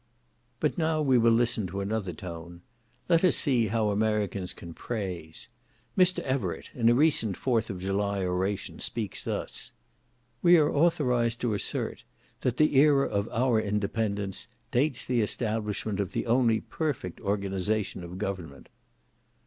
But now we will listen to another tone. Let us see how Americans can praise. Mr. Everett, in a recent 4th of July oration, speaks thus:— "We are authorised to assert, that the era of our independence dates the establishment of the only perfect organization of government."